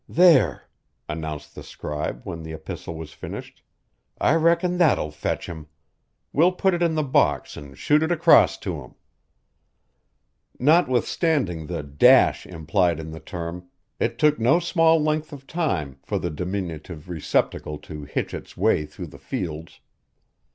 "There!" announced the scribe when the epistle was finished. "I reckon that'll fetch him. We'll put it in the box an' shoot it across to him." Notwithstanding the dash implied in the term, it took no small length of time for the diminutive receptacle to hitch its way through the fields.